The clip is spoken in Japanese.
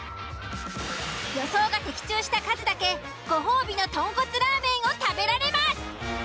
予想が的中した数だけご褒美の豚骨ラーメンを食べられます。